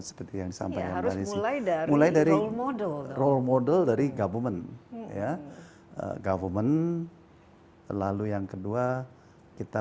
seperti yang sampai mulai dari model model dari government government lalu yang kedua kita